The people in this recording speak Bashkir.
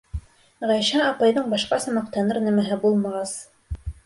Ғәйшә апайҙың башҡаса маҡтаныр нәмәһе булмағас...